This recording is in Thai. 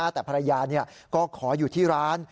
แต่ภรรยาก็ขออยู่ที่ร้าน